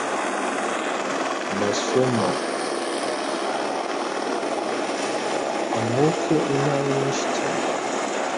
Masumo: Amwuke inabi nyinshi cyane